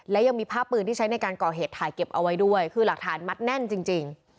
และยังมีภาพปืนที่ใช้ในการก่อเหตุถ่ายเก็บเอาไว้ด้วยคือหลักฐานมัดแน่นจริง